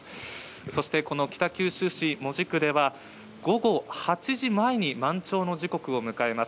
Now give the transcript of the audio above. そしてこの北九州市門司区では、午後８時前に満潮の時刻を迎えます。